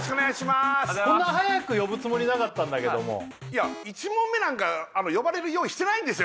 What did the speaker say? すこんな早く呼ぶつもりなかったんだけどもいや１問目なんか呼ばれる用意してないんですよ